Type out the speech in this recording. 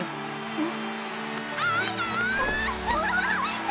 うん！